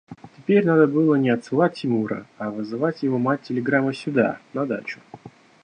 Теперь надо было не отсылать Тимура, а вызывать его мать телеграммой сюда, на дачу.